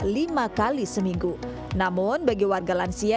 lima kali seminggu namun bagi warga lansia